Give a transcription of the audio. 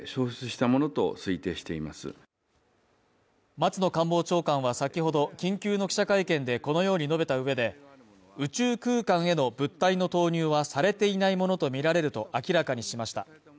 松野官房長官は先ほど、緊急の記者会見でこのように述べた上で、宇宙空間への物体の投入はされていないものとみられると明らかにしました